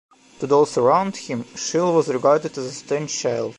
To those around him, Schiele was regarded as a strange child.